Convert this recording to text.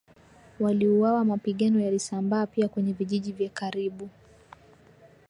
waliuawa Mapigano yalisambaa pia kwenye vijiji vya karibu